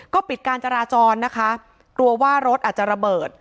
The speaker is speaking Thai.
ก็ปิดการจราจรนะคะกลัวว่ารถอาจจะระเบิด